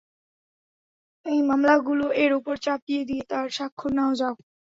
এই মামলাগুলো ওর উপর চাপিয়ে দিয়ে তার স্বাক্ষর নাও, যাও।